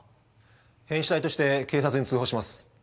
変死体として警察に通報します。